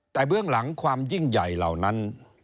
แต่เบื้องหลังความยิ่งใหญ่เหล่านั้น